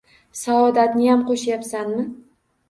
Saodatniyam qo‘shyapsanmi?